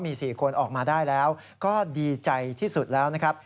มี๔คนออกมาได้แล้วก็ดีใจที่สุดแล้วนะครับ